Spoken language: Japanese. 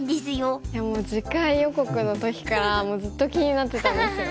いやもう次回予告の時からずっと気になってたんですよ。